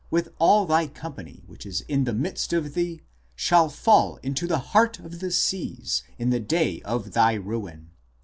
. with all thy company which is in the midst of thee, shall fall into the heart of the seas in the day of thy ruin.